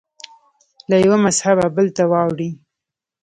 له یوه مذهبه بل ته واوړي